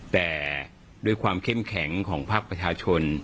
แต่ด้วยความเข้มแข็งของภาคประชาชน